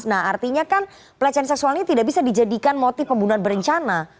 nah artinya kan pelecehan seksual ini tidak bisa dijadikan motif pembunuhan berencana